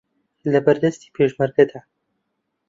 لەبەردەستی پێشمەرگەدان